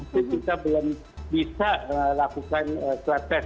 jadi kita belum bisa lakukan rapid test